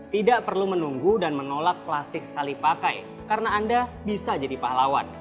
tidak perlu menunggu dan menolak plastik sekali pakai karena anda bisa jadi pahlawan